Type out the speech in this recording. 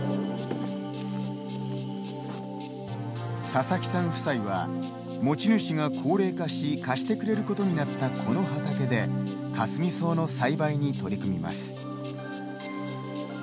佐々木さん夫妻は持ち主が高齢化し貸してくれることになったこの畑でかすみ草の栽培に取り組みます。